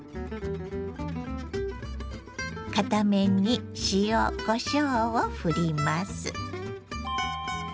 片面に塩こしょうをふります。